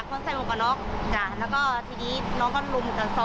คนใส่หมวกกับน้องแล้วก็ทีนี้น้องก็รุมกันซอส